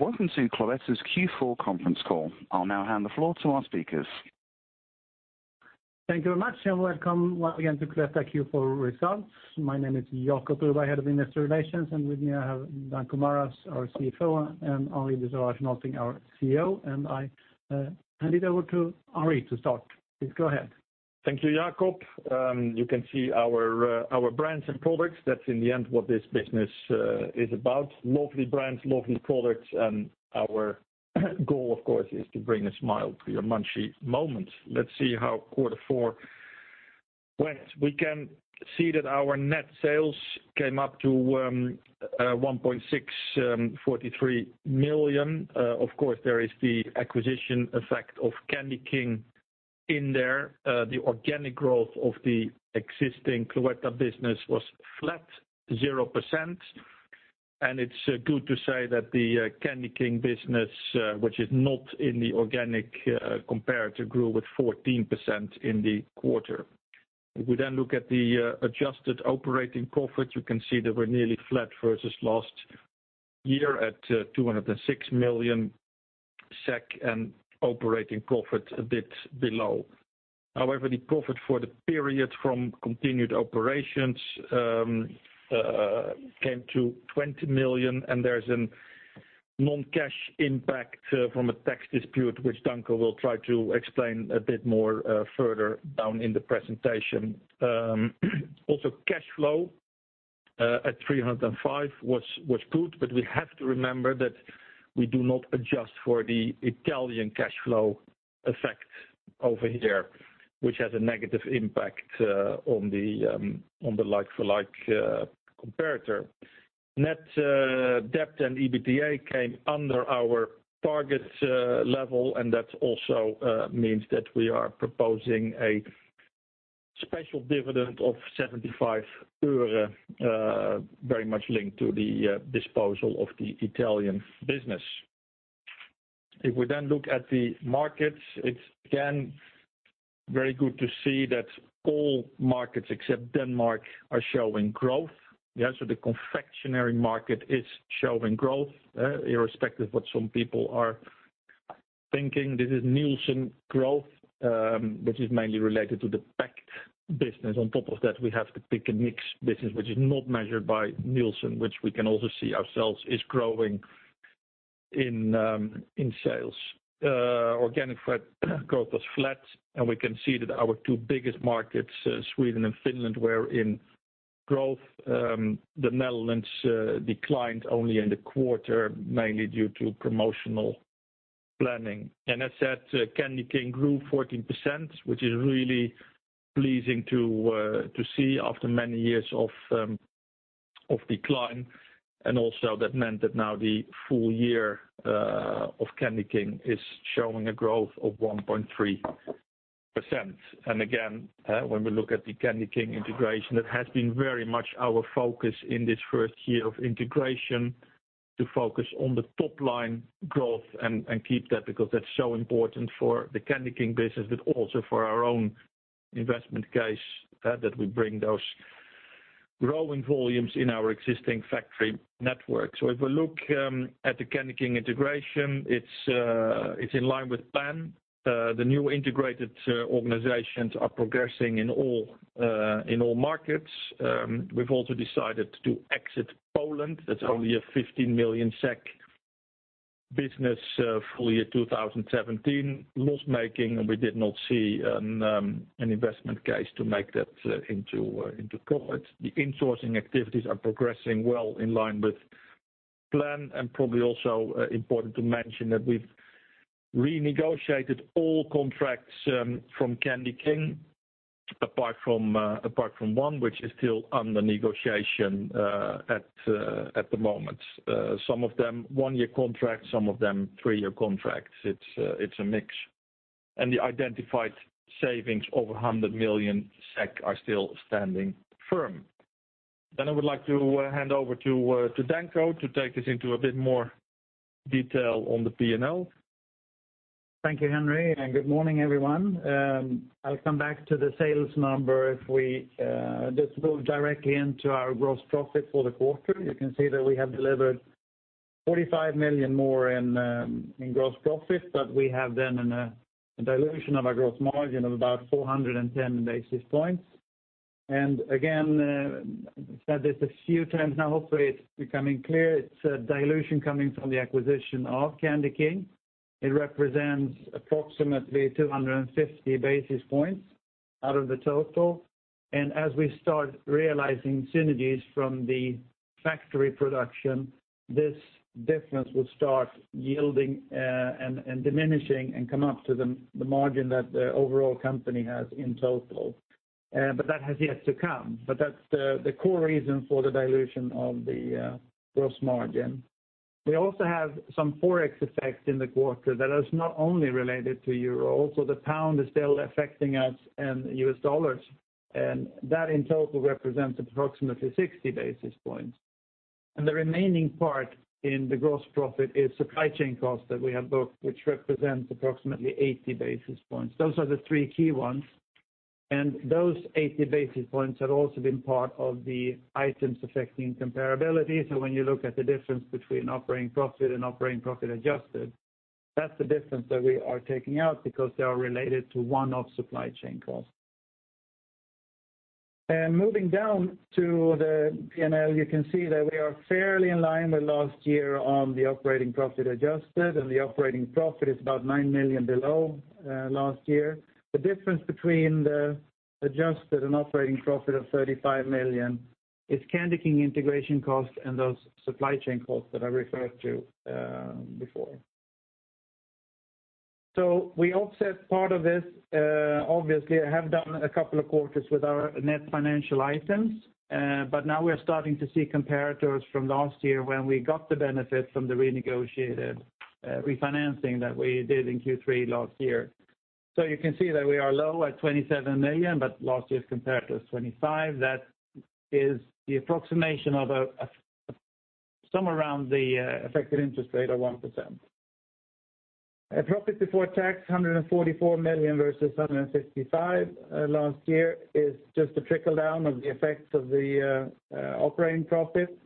Welcome to Cloetta's Q4 conference call. I'll now hand the floor to our speakers. Thank you very much, and welcome once again to Cloetta Q4 Results. My name is Jacob Broberg, I, Head of Investor Relations, and with me I have Danko Maras, our CFO, and Henri de Sauvage Nolting, our CEO. I hand it over to Henri to start. Please go ahead. Thank you, Jacob. You can see our brands and products. That's, in the end, what this business is about: lovely brands, lovely products, and our goal, of course, is to bring a smile to your Munchy Moments. Let's see how quarter four went. We can see that our net sales came up to 1,643 million. Of course, there is the acquisition effect of Candyking in there. The organic growth of the existing Cloetta business was flat zero percent. And it's good to say that the Candyking business, which is not in the organic, compared to grew with 14% in the quarter. If we then look at the adjusted operating profit, you can see that we're nearly flat versus last year at 206 million SEK and operating profit a bit below. However, the profit for the period from continued operations came to 20 million, and there's a non-cash impact from a tax dispute, which Danko will try to explain a bit more further down in the presentation. Also, cash flow at 305 million was good, but we have to remember that we do not adjust for the Italian cash flow effect over here, which has a negative impact on the like-for-like comparator. Net debt and EBITDA came under our target level, and that also means that we are proposing a special dividend of SEK 216 million, very much linked to the disposal of the Italian business. If we then look at the markets, it's again very good to see that all markets except Denmark are showing growth. Yeah, so the confectionery market is showing growth, irrespective of what some people are thinking. This is Nielsen growth, which is mainly related to the packaged business. On top of that, we have the Pick & Mix business, which is not measured by Nielsen, which we can also see ourselves is growing in sales. Organic LFL growth was flat, and we can see that our two biggest markets, Sweden and Finland, were in growth. The Netherlands declined only in the quarter, mainly due to promotional planning. And as said, Candyking grew 14%, which is really pleasing to see after many years of decline. And also, that meant that now the full year of Candyking is showing a growth of 1.3%. When we look at the Candyking integration, that has been very much our focus in this first year of integration to focus on the top-line growth and keep that because that's so important for the Candyking business, but also for our own investment case, that we bring those growing volumes in our existing factory network. So if we look at the Candyking integration, it's in line with plan. The new integrated organizations are progressing in all markets. We've also decided to exit Poland. That's only a 15 million SEK business, full year 2017. Loss-making, and we did not see an investment case to make that into profit. The insourcing activities are progressing well in line with plan. Probably also important to mention that we've renegotiated all contracts from Candyking apart from, apart from one, which is still under negotiation at the moment. Some of them 1-year contracts, some of them 3-year contracts. It's a mix. The identified savings over 100 million SEK are still standing firm. I would like to hand over to Danko to take this into a bit more detail on the P&L. Thank you, Henri, and good morning, everyone. I'll come back to the sales number if we just move directly into our gross profit for the quarter. You can see that we have delivered 45 million more in gross profit, but we have then a dilution of our gross margin of about 410 basis points. And again, said this a few times. Now, hopefully, it's becoming clear. It's a dilution coming from the acquisition of Candyking. It represents approximately 250 basis points out of the total. And as we start realizing synergies from the factory production, this difference will start yielding and diminishing and come up to the margin that the overall company has in total. But that has yet to come. But that's the core reason for the dilution of the gross margin. We also have some forex effect in the quarter that is not only related to euro. Also, the pound is still affecting us and US dollars. And that in total represents approximately 60 basis points. And the remaining part in the gross profit is supply chain cost that we have booked, which represents approximately 80 basis points. Those are the three key ones. And those 80 basis points have also been part of the items affecting comparability. So when you look at the difference between operating profit and operating profit adjusted, that's the difference that we are taking out because they are related to one-off supply chain costs. And moving down to the P&L, you can see that we are fairly in line with last year on the operating profit adjusted, and the operating profit is about 9 million below last year. The difference between the adjusted and operating profit of 35 million is Candyking integration cost and those supply chain costs that I referred to, before. So we offset part of this, obviously. I have done a couple of quarters with our net financial items, but now we are starting to see comparators from last year when we got the benefit from the renegotiated refinancing that we did in Q3 last year. So you can see that we are low at 27 million, but last year's comparator is 25. That is the approximation of somewhere around the affected interest rate of 1%. Profit before tax, 144 million versus 155 last year, is just a trickle-down of the effects of the operating profit.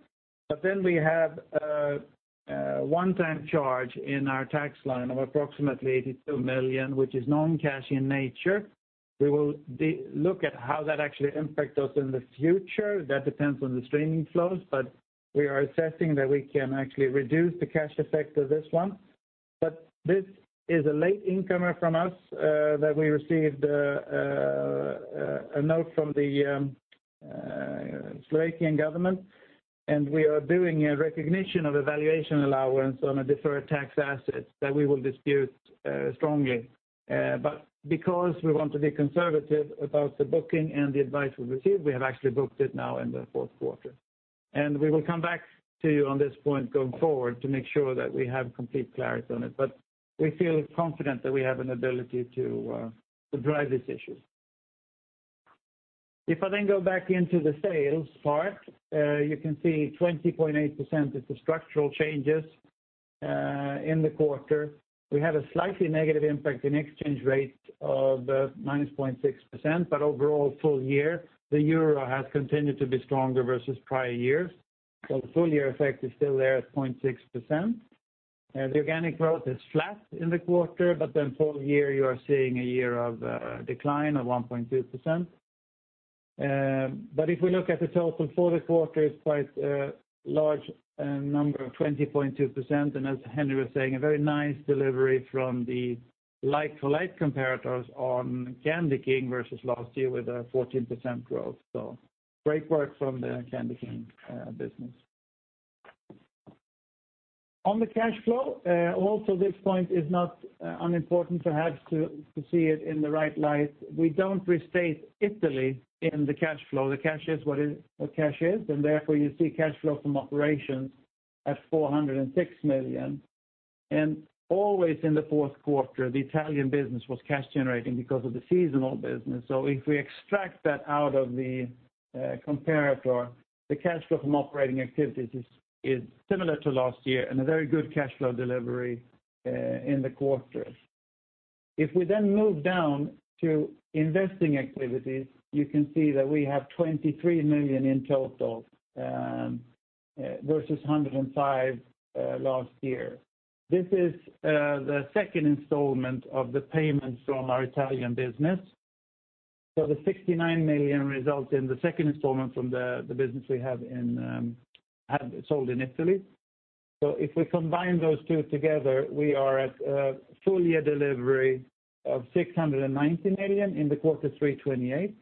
But then we have one-time charge in our tax line of approximately 82 million, which is non-cash in nature. We will look at how that actually impact us in the future. That depends on the streaming flows, but we are assessing that we can actually reduce the cash effect of this one. But this is a late incomer from us, that we received, a note from the Slovakian government. And we are doing a recognition of valuation allowance on a deferred tax asset that we will dispute strongly. But because we want to be conservative about the booking and the advice we received, we have actually booked it now in the fourth quarter. And we will come back to you on this point going forward to make sure that we have complete clarity on it. But we feel confident that we have an ability to drive this issue. If I then go back into the sales part, you can see 20.8% is the structural changes in the quarter. We have a slightly negative impact in exchange rate of minus 0.6%, but overall full year, the euro has continued to be stronger versus prior years. So the full-year effect is still there at 0.6%. The organic growth is flat in the quarter, but then full year, you are seeing a year-over-year decline of 1.2%. But if we look at the total for the quarter, it's quite a large number of 20.2%. And as Henri was saying, a very nice delivery from the like-for-like comparators on Candyking versus last year with a 14% growth. So great work from the Candyking business. On the cash flow, also this point is not unimportant, perhaps, to see it in the right light. We don't restate Italy in the cash flow. The cash is what it what cash is, and therefore, you see cash flow from operations at 406 million. And always in the fourth quarter, the Italian business was cash generating because of the seasonal business. So if we extract that out of the comparator, the cash flow from operating activities is similar to last year and a very good cash flow delivery in the quarter. If we then move down to investing activities, you can see that we have 23 million in total versus 105 million last year. This is the second installment of the payments from our Italian business. So the 69 million results in the second installment from the business we have had sold in Italy. So if we combine those two together, we are at a full-year delivery of 690 million in the quarter 3/28.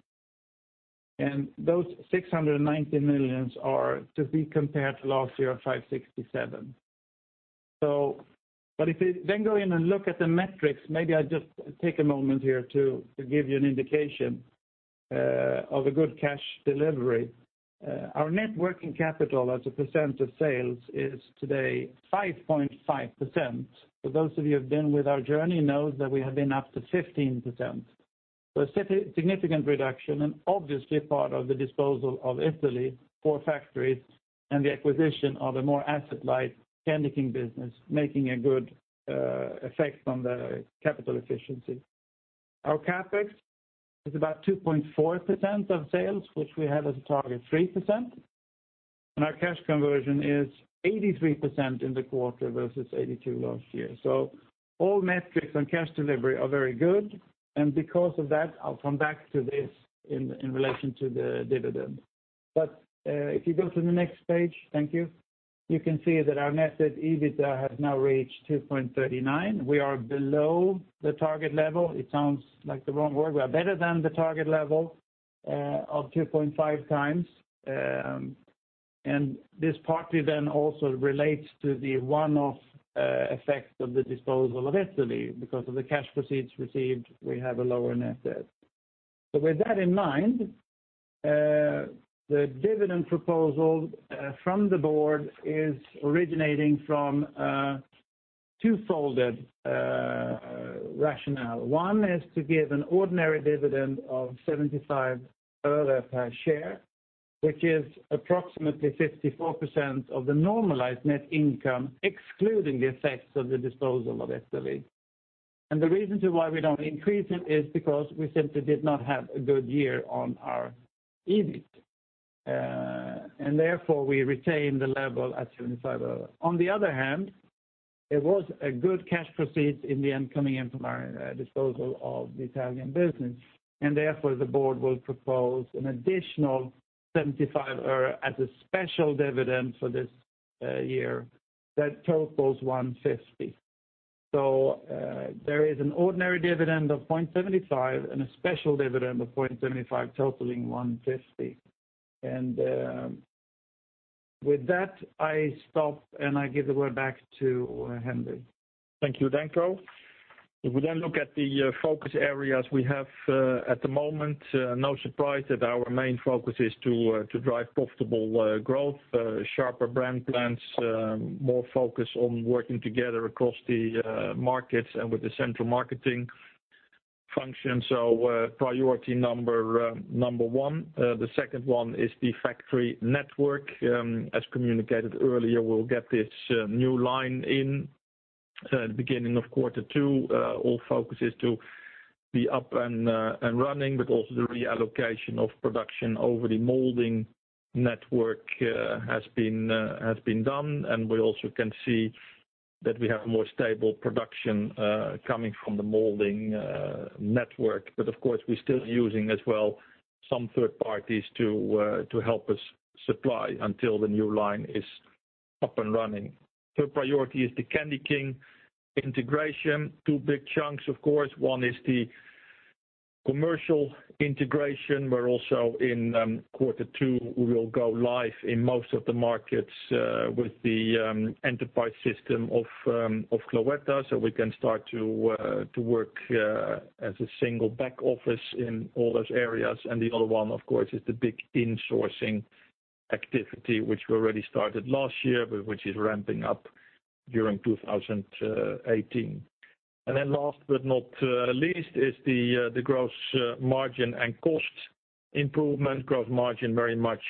Those 690 million are, to be compared to last year, 567 million. So but if we then go in and look at the metrics, maybe I just take a moment here to give you an indication of a good cash delivery. Our net working capital, as a percent of sales, is today 5.5%. So those of you who have been with our journey know that we have been up to 15%. So a significant reduction and obviously part of the disposal of Italian factories and the acquisition of a more asset-light Candyking business making a good effect on the capital efficiency. Our CapEx is about 2.4% of sales, which we have as a target 3%. And our cash conversion is 83% in the quarter versus 82% last year. So all metrics on cash delivery are very good. Because of that, I'll come back to this in relation to the dividend. But if you go to the next page, thank you, you can see that our Net Debt/EBITDA has now reached 2.39. We are below the target level. It sounds like the wrong word. We are better than the target level of 2.5x. And this partly then also relates to the one-off effect of the disposal of Italy because of the cash proceeds received. We have a lower net debt. So with that in mind, the dividend proposal from the board is originating from two-fold rationale. One is to give an ordinary dividend of SEK 0.75 per share, which is approximately 54% of the normalized net income excluding the effects of the disposal of Italy. The reason why we don't increase it is because we simply did not have a good year on our EBIT, and therefore, we retain the level at 0.75. On the other hand, it was a good cash proceeds in the incoming income from our disposal of the Italian business. And therefore, the board will propose an additional 0.75 euro as a special dividend for this year that totals 1.50. So, there is an ordinary dividend of 0.75 and a special dividend of 0.75 totaling 1.50. And, with that, I stop, and I give the word back to Henri. Thank you, Danko. If we then look at the focus areas we have at the moment, no surprise that our main focus is to drive profitable growth, sharper brand plans, more focus on working together across the markets and with the central marketing function. So, priority number one. The second one is the factory network. As communicated earlier, we'll get this new line in the beginning of quarter two. All focus is to be up and running, but also the reallocation of production over the molding network has been done. And we also can see that we have more stable production coming from the molding network. But of course, we're still using as well some third parties to help us supply until the new line is up and running. So priority is the Candyking integration, two big chunks, of course. One is the commercial integration. We're also in quarter two. We will go live in most of the markets, with the enterprise system of Cloetta. So we can start to work as a single back office in all those areas. And the other one, of course, is the big insourcing activity, which we already started last year, which is ramping up during 2018. And then last but not least is the gross margin and cost improvement. Gross margin very much,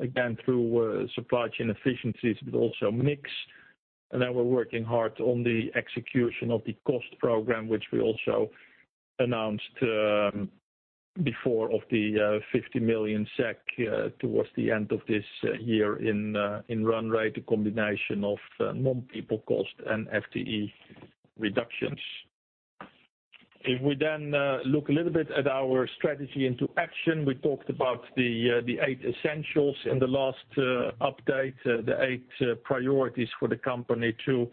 again, through supply chain efficiencies, but also mix. And then we're working hard on the execution of the cost program, which we also announced, before of the 50 million SEK, towards the end of this year in run rate, a combination of non-people cost and FTE reductions. If we then look a little bit at our strategy into action, we talked about the eight essentials in the last update, the eight priorities for the company to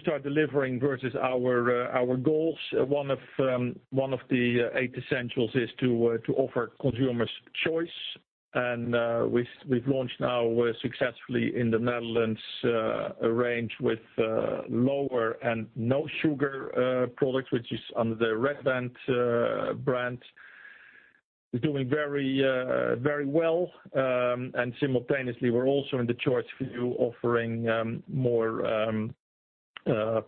start delivering versus our goals. One of the eight essentials is to offer consumers choice. And we've launched now successfully in the Netherlands a range with lower and no sugar products, which is under the Red Band brand. It's doing very, very well. And simultaneously, we're also in the choice view offering more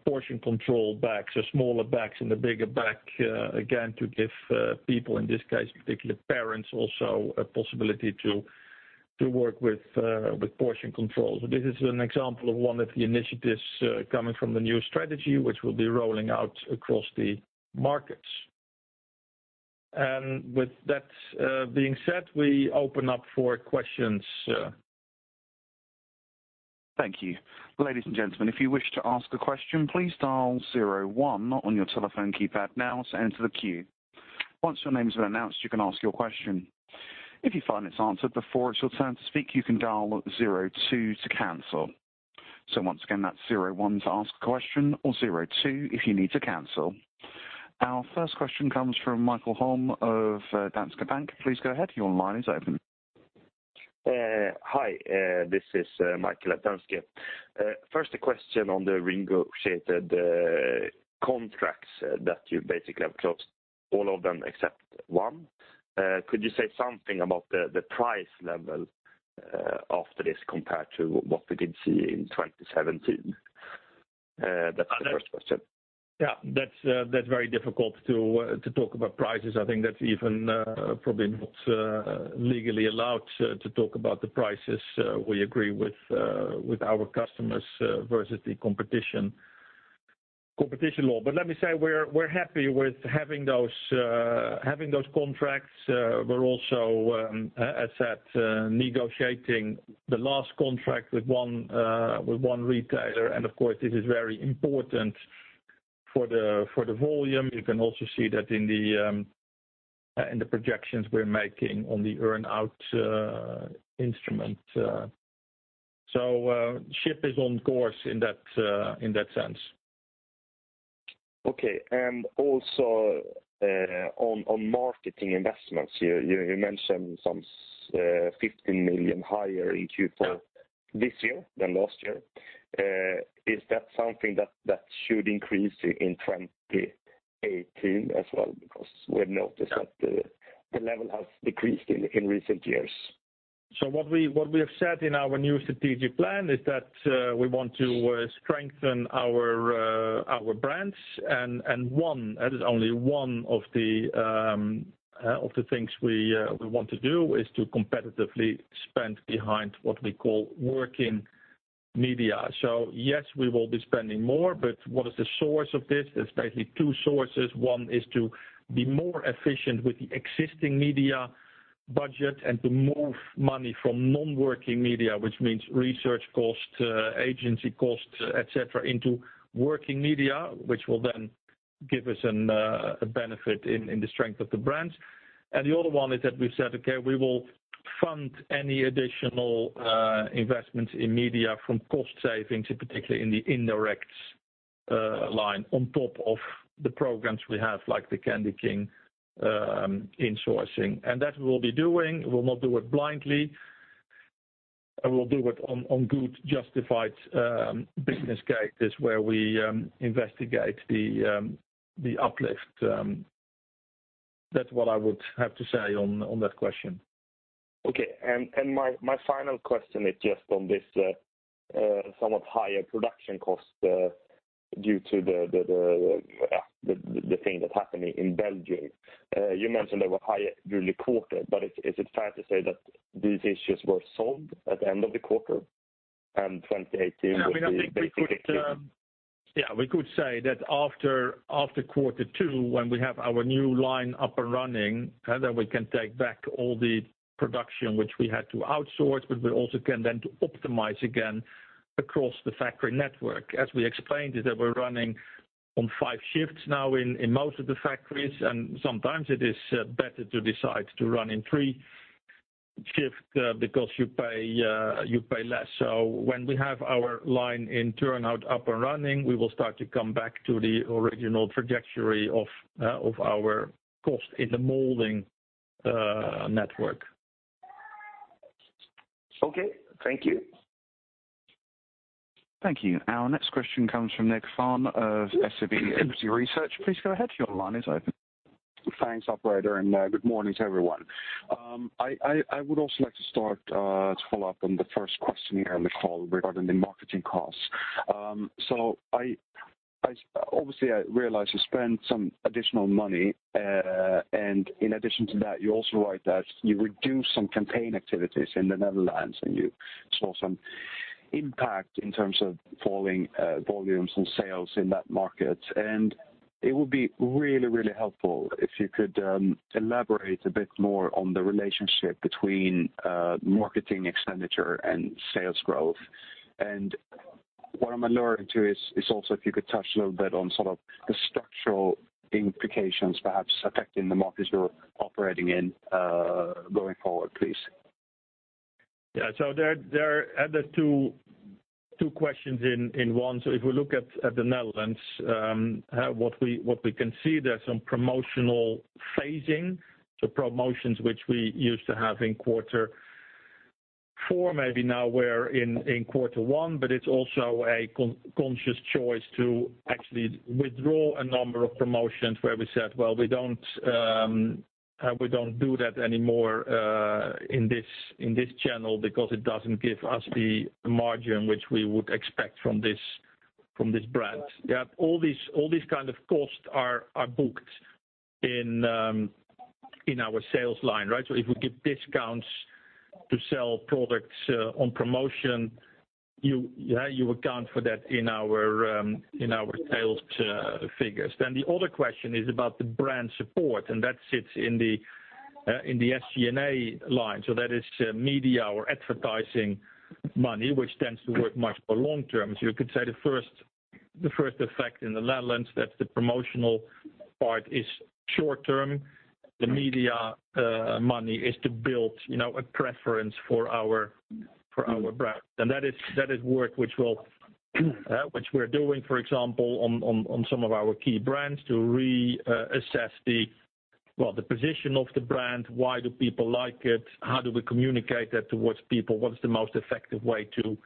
portion control bags, so smaller bags in the bigger bag, again, to give people, in this case, particularly parents, also a possibility to work with portion control. So this is an example of one of the initiatives coming from the new strategy, which will be rolling out across the markets. With that being said, we open up for questions. Thank you. Ladies and gentlemen, if you wish to ask a question, please dial 01 on your telephone keypad now to enter the queue. Once your name's been announced, you can ask your question. If you find it's answered before it's your turn to speak, you can dial 02 to cancel. So once again, that's 01 to ask a question or 02 if you need to cancel. Our first question comes from Mikael Holm of Danske Bank. Please go ahead. Your line is open. Hi. This is Mikael at Danske. First, a question on the renegotiated contracts that you basically have closed, all of them except one. Could you say something about the price level after this compared to what we did see in 2017? That's the first question. Yeah. That's, that's very difficult to, to talk about prices. I think that's even, probably not, legally allowed, to talk about the prices we agree with, with our customers, versus the competition, competition law. But let me say we're, we're happy with having those, having those contracts. We're also, as said, negotiating the last contract with one, with one retailer. And of course, this is very important for the, for the volume. You can also see that in the, in the projections we're making on the earn-out instrument. So, ship is on course in that, in that sense. Okay. And also, on marketing investments, you mentioned 15 million higher in Q4 this year than last year. Is that something that should increase in 2018 as well because we have noticed that the level has decreased in recent years? So what we have said in our new strategic plan is that we want to strengthen our brands. And one that is only one of the things we want to do is to competitively spend behind what we call working media. So yes, we will be spending more, but what is the source of this? There's basically two sources. One is to be more efficient with the existing media budget and to move money from non-working media, which means research cost, agency cost, etc., into working media, which will then give us a benefit in the strength of the brands. And the other one is that we've said, "Okay. We will fund any additional investments in media from cost savings, particularly in the indirects line on top of the programs we have like the Candyking insourcing. That we will be doing. We'll not do it blindly. We'll do it on good justified business cases where we investigate the uplift. That's what I would have to say on that question. Okay. And my final question is just on this somewhat higher production cost, due to the thing that happened in Belgium. You mentioned they were higher during the quarter, but is it fair to say that these issues were solved at the end of the quarter and 2018 would be completely? Yeah. I mean, I think we could, yeah. We could say that after quarter two, when we have our new line up and running, then we can take back all the production, which we had to outsource, but we also can then optimize again across the factory network. As we explained, is that we're running on 5 shifts now in most of the factories. And sometimes it is better to decide to run in 3 shifts, because you pay, you pay less. So when we have our line in Turku up and running, we will start to come back to the original trajectory of our cost in the molding network. Okay. Thank you. Thank you. Our next question comes from Nicklas Fhärm of SEB Equity Research. Please go ahead. Your line is open. Thanks, operator. Good morning to everyone. I would also like to start to follow up on the first question here on the call regarding the marketing costs. I obviously realize you spend some additional money. In addition to that, you also write that you reduce some campaign activities in the Netherlands, and you saw some impact in terms of falling volumes and sales in that market. It would be really, really helpful if you could elaborate a bit more on the relationship between marketing expenditure and sales growth. What I'm alluding to is also if you could touch a little bit on sort of the structural implications, perhaps, affecting the markets you're operating in, going forward, please. Yeah. So there are at least two questions in one. So if we look at the Netherlands, what we can see, there's some promotional phasing, so promotions which we used to have in quarter four maybe now we're in quarter one. But it's also a conscious choice to actually withdraw a number of promotions where we said, "Well, we don't do that anymore, in this channel because it doesn't give us the margin which we would expect from this brand." Yeah. All these kind of costs are booked in our sales line, right? So if we give discounts to sell products on promotion, yeah, you account for that in our sales figures. Then the other question is about the brand support. And that sits in the SG&A line. So that is media or advertising money, which tends to work much more long term. So you could say the first effect in the Netherlands, that's the promotional part is short term. The media money is to build, you know, a preference for our brand. And that is work which we're doing, for example, on some of our key brands to reassess the, well, the position of the brand. Why do people like it? How do we communicate that towards people? What's the most effective way to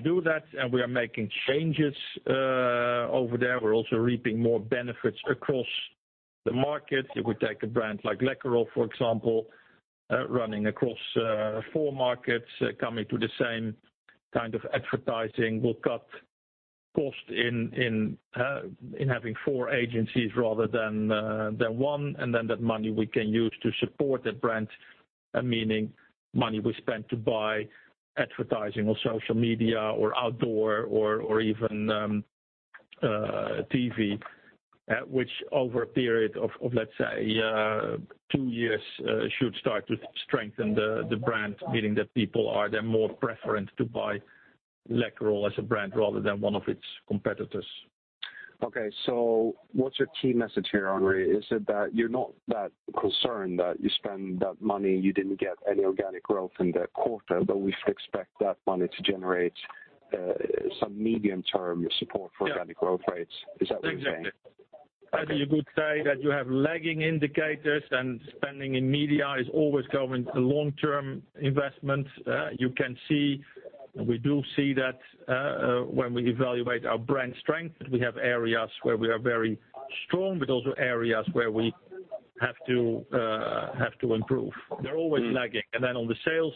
do that? And we are making changes over there. We're also reaping more benefits across the markets. If we take a brand like Läkerol, for example, running across four markets, coming to the same kind of advertising, we'll cut cost in having four agencies rather than one. And then that money we can use to support that brand, meaning money we spend to buy advertising or social media or outdoor or even TV, which over a period of, let's say, two years, should start to strengthen the brand, meaning that people are there more preference to buy Läkerol as a brand rather than one of its competitors. Okay. So what's your key message here, Henri? Is it that you're not that concerned that you spend that money, you didn't get any organic growth in the quarter, but we should expect that money to generate some medium-term support for organic growth rates? Is that what you're saying? Yeah. Exactly. I think you're good to say that you have lagging indicators, and spending in media is always going long-term investment. You can see, and we do see that, when we evaluate our brand strength, we have areas where we are very strong, but also areas where we have to, have to improve. They're always lagging. And then on the sales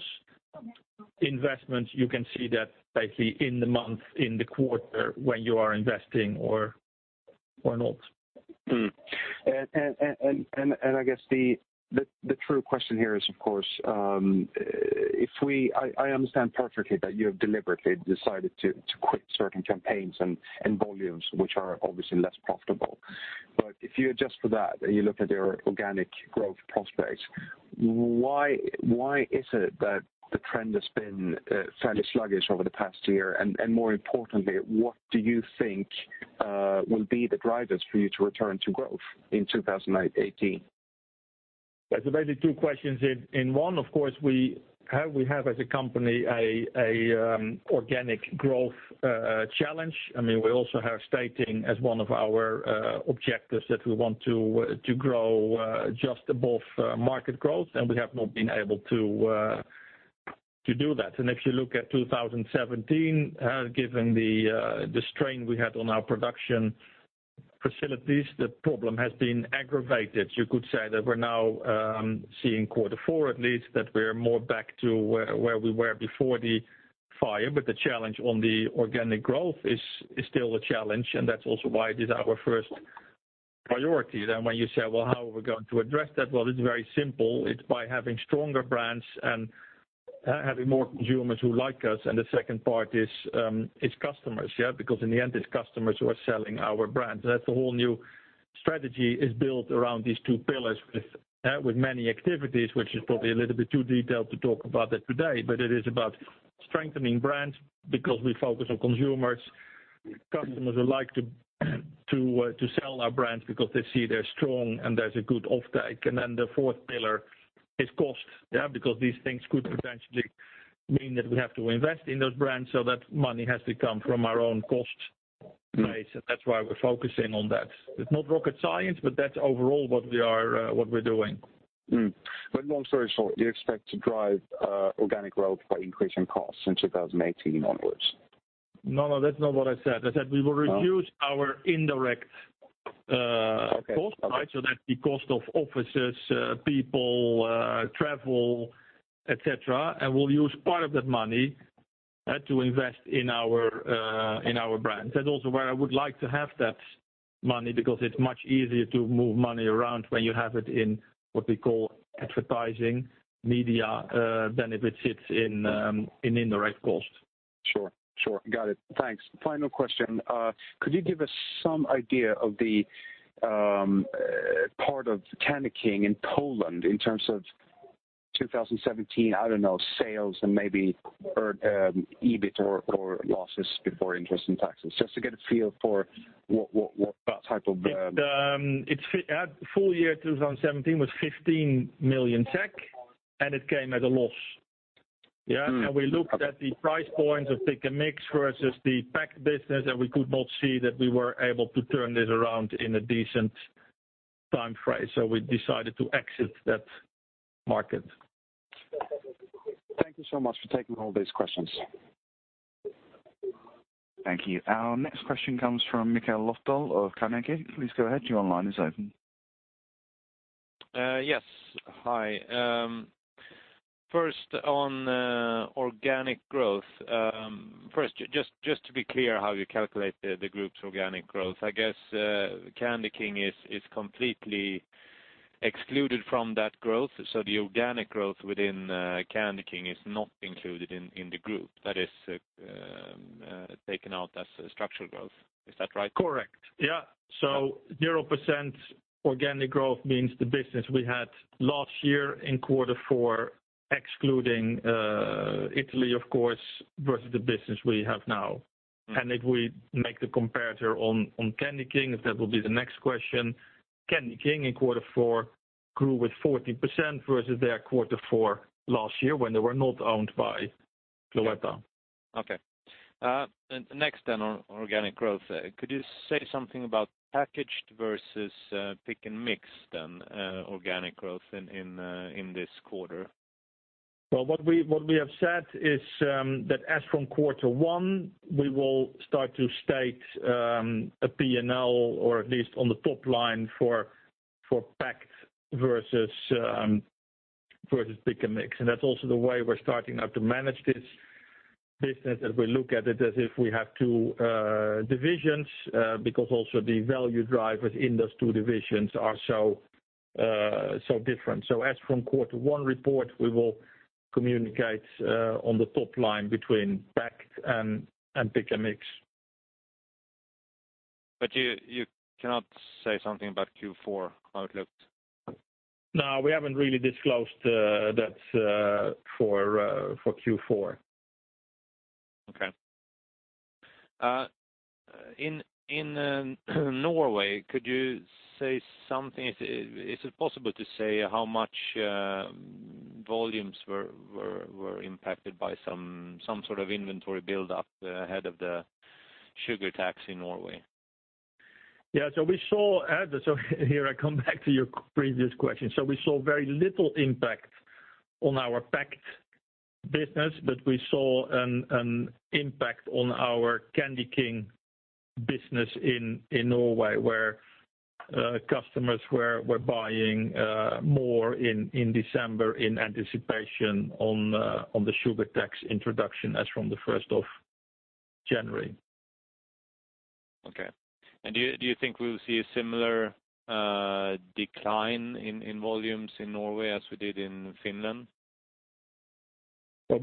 investments, you can see that basically in the month, in the quarter when you are investing or, or not. And I guess the true question here is, of course, if I understand perfectly that you have deliberately decided to quit certain campaigns and volumes, which are obviously less profitable. But if you adjust for that and you look at your organic growth prospects, why is it that the trend has been fairly sluggish over the past year? And more importantly, what do you think will be the drivers for you to return to growth in 2018? That's basically two questions. In one, of course, we have as a company a organic growth challenge. I mean, we also have stating as one of our objectives that we want to grow just above market growth. And we have not been able to do that. And if you look at 2017, given the strain we had on our production facilities, the problem has been aggravated. You could say that we're now seeing quarter four at least, that we're more back to where we were before the fire. But the challenge on the organic growth is still a challenge. And that's also why it is our first priority. Then when you say, "Well, how are we going to address that?" Well, it's very simple. It's by having stronger brands and having more consumers who like us. And the second part is customers, yeah, because in the end, it's customers who are selling our brands. And that's the whole new strategy is built around these two pillars with many activities, which is probably a little bit too detailed to talk about that today. But it is about strengthening brands because we focus on consumers. Customers who like to sell our brands because they see they're strong and there's a good offtake. And then the fourth pillar is cost, yeah, because these things could potentially mean that we have to invest in those brands. So that money has to come from our own cost base. And that's why we're focusing on that. It's not rocket science, but that's overall what we are, what we're doing. Long story short, you expect to drive organic growth by increasing costs in 2018 onwards? No, no. That's not what I said. I said we will reduce our indirect cost, right, so that's the cost of offices, people, travel, etc. And we'll use part of that money to invest in our, in our brands. That's also where I would like to have that money because it's much easier to move money around when you have it in what we call advertising media than if it sits in, in indirect cost. Sure. Sure. Got it. Thanks. Final question. Could you give us some idea of the, part of Candyking in Poland in terms of 2017, I don't know, sales and maybe or, EBIT or, or losses before interest and taxes? Just to get a feel for what, what, what type of, Yeah, full year 2017 was 15 million. It came as a loss, yeah. We looked at the price points of pick and mix versus the packaged business, and we could not see that we were able to turn this around in a decent time frame. So we decided to exit that market. Thank you so much for taking all these questions. Thank you. Our next question comes from Mikael Löfdahl of Carnegie. Please go ahead. Your line is open. Yes. Hi. First, on organic growth, first, just to be clear how you calculate the group's organic growth, I guess, Candyking is completely excluded from that growth. So the organic growth within Candyking is not included in the group. That is taken out as structural growth. Is that right? Correct. Yeah. So 0% organic growth means the business we had last year in quarter four excluding Italy, of course, versus the business we have now. And if we make the comparator on Candyking, if that will be the next question, Candyking in quarter four grew with 14% versus their quarter four last year when they were not owned by Cloetta. Okay. Okay, next, then on organic growth, could you say something about packaged versus Pick & Mix, then organic growth in this quarter? Well, what we have said is that as from quarter one, we will start to state a P&L or at least on the top line for packaged versus pick and mix. And that's also the way we're starting out to manage this business, that we look at it as if we have two divisions, because also the value drivers in those two divisions are so different. So as from quarter one report, we will communicate on the top line between packaged and pick and mix. But you cannot say something about Q4 how it looked? No. We haven't really disclosed that for Q4. Okay. In Norway, could you say something? Is it possible to say how much volumes were impacted by some sort of inventory buildup ahead of the sugar tax in Norway? Yeah. So here, I come back to your previous question. So we saw very little impact on our packaged business, but we saw an impact on our Candyking business in Norway where customers were buying more in December in anticipation of the sugar tax introduction as from the 1st of January. Okay. And do you think we'll see a similar decline in volumes in Norway as we did in Finland? Well,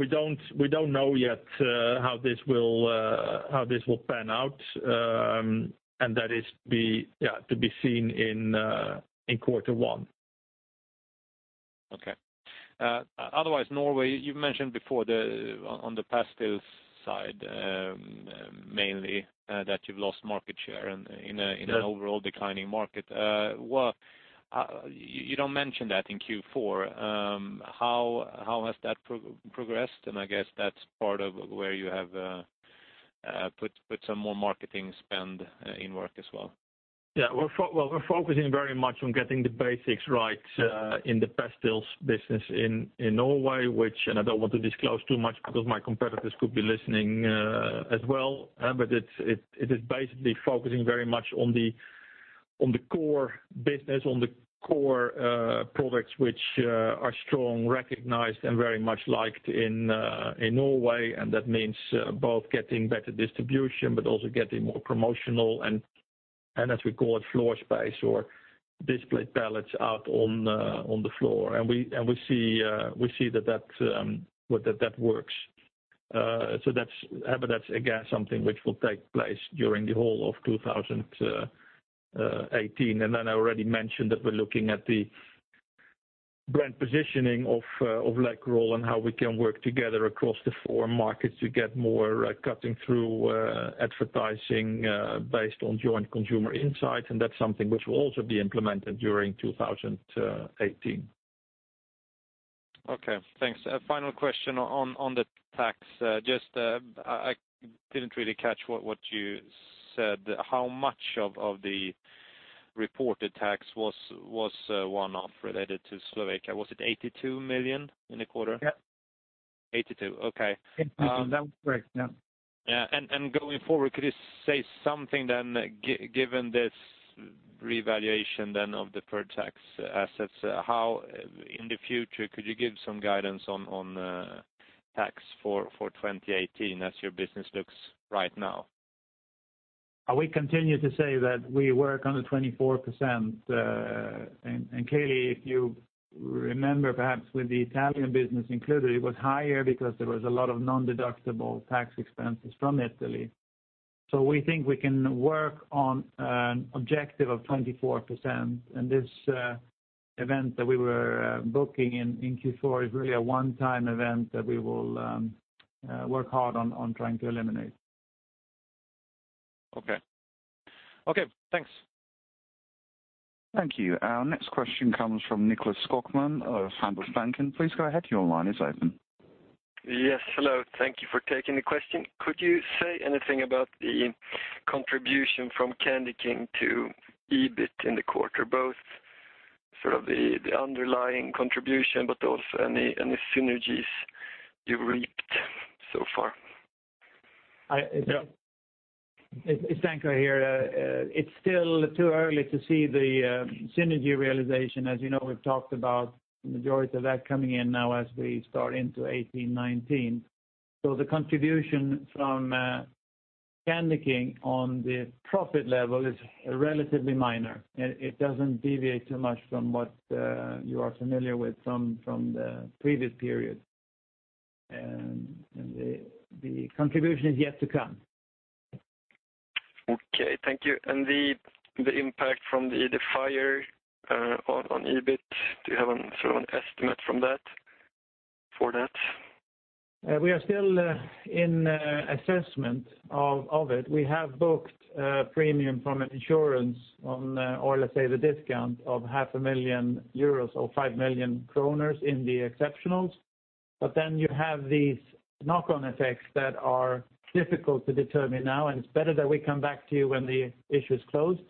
we don't know yet how this will pan out. And that is to be seen in quarter one. Okay. Otherwise, Norway, you've mentioned before on the pastilles side, mainly, that you've lost market share in an overall declining market. What, you don't mention that in Q4. How has that progressed? And I guess that's part of where you have put some more marketing spend in work as well. Yeah. We're—well, we're focusing very much on getting the basics right, in the pastilles business in, in Norway, which—and I don't want to disclose too much because my competitors could be listening, as well—but it is basically focusing very much on the, on the core business, on the core products which are strong, recognized, and very much liked in, in Norway. And that means, both getting better distribution but also getting more promotional, and as we call it, floor space or displayed pallets out on, on the floor. And we, and we see, we see that that, well, that that works. So that's—but that's, again, something which will take place during the whole of 2018. And then I already mentioned that we're looking at the brand positioning of Läkerol and how we can work together across the four markets to get more cutting through advertising based on joint consumer insights. And that's something which will also be implemented during 2018. Okay. Thanks. Final question on the tax. Just, I didn't really catch what you said. How much of the reported tax was one-off related to Slovakia? Was it 82 million in the quarter? Yeah. 82. Okay. Increasing. That was correct. Yeah. Yeah. And going forward, could you say something, given this revaluation of the deferred tax assets, how, in the future, could you give some guidance on tax for 2018 as your business looks right now? We continue to say that we work on the 24%. And clearly, if you remember, perhaps with the Italian business included, it was higher because there was a lot of non-deductible tax expenses from Italy. So we think we can work on an objective of 24%. And this event that we were booking in Q4 is really a one-time event that we will work hard on trying to eliminate. Okay. Okay. Thanks. Thank you. Our next question comes from Nicklas Skogman of Handelsbanken. Please go ahead. Your line is open. Yes. Hello. Thank you for taking the question. Could you say anything about the contribution from Candyking to EBIT in the quarter, both sort of the, the underlying contribution but also any, any synergies you've reaped so far? It's Danko here. It's still too early to see the synergy realization. As you know, we've talked about the majority of that coming in now as we start into 2018, 2019. So the contribution from Candyking on the profit level is relatively minor. It doesn't deviate too much from what you are familiar with from the previous period. And the contribution is yet to come. Okay. Thank you. And the impact from the fire on EBIT, do you have any sort of an estimate for that? We are still in assessment of it. We have booked premium from an insurance on, or let's say the discount of 500,000 euros or 5 million kronor in the exceptionals. But then you have these knock-on effects that are difficult to determine now. And it's better that we come back to you when the issue's closed,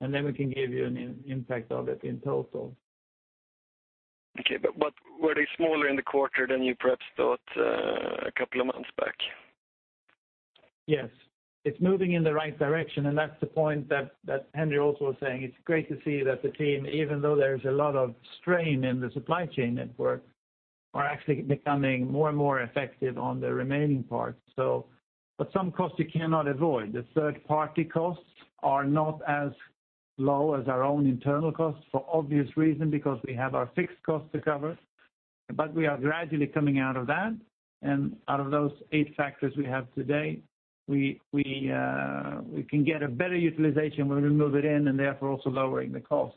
and then we can give you an impact of it in total. Okay. But, but were they smaller in the quarter than you perhaps thought, a couple of months back? Yes. It's moving in the right direction. That's the point that Henri also was saying. It's great to see that the team, even though there's a lot of strain in the supply chain network, are actually becoming more and more effective on the remaining part. But some costs you cannot avoid. The third-party costs are not as low as our own internal costs for obvious reason because we have our fixed costs to cover. But we are gradually coming out of that. Out of those eight factors we have today, we can get a better utilization when we move it in and therefore also lowering the cost.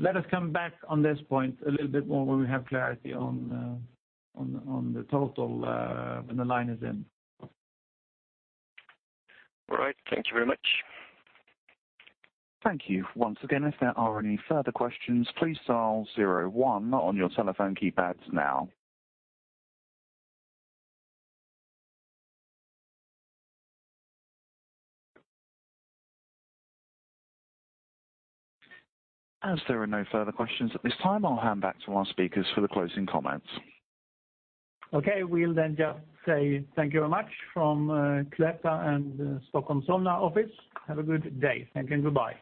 Let us come back on this point a little bit more when we have clarity on the total, when the line is in. All right. Thank you very much. Thank you once again. If there are any further questions, please dial 01 on your telephone keypads now. As there are no further questions at this time, I'll hand back to our speakers for the closing comments. Okay. We'll then just say thank you very much from Cloetta and Solna office. Have a good day. Thank you. Goodbye.